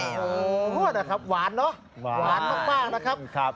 โอ้โหฮวดนะครับหวานเนอะหวานมากนะครับ